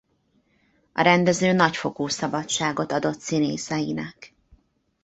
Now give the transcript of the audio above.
A rendező nagy fokú szabadságot adott színészeinek.